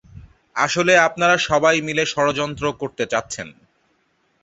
আসলে আপনারা সবাই মিলে ষড়যন্ত্র করতে চাচ্ছেন।